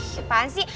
ih apaan sih